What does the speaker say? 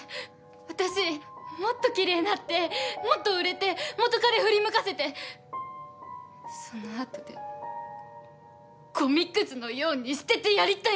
私もっときれいになってもっと売れて元カレ振り向かせてそのあとでごみクズのように捨ててやりたいんです！